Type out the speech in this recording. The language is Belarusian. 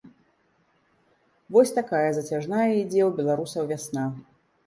Вось такая зацяжная ідзе ў беларусаў вясна.